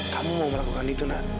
kamu mau melakukan itu nak